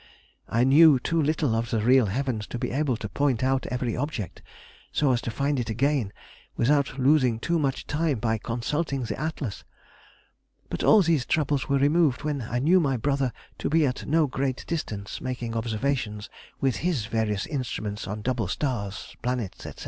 I knew too little of the real heavens to be able to point out every object so as to find it again without losing too much time by consulting the Atlas. But all these troubles were removed when I knew my brother to be at no great distance making observations with his various instruments on double stars, planets, &c.